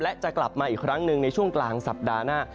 และจะกลับมาอีกครั้งหนึ่งในช่วงกลางสัปดาห์หน้า